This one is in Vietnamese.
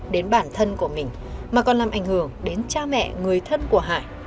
đến bản thân của mình mà còn làm ảnh hưởng đến cha mẹ người thân của hải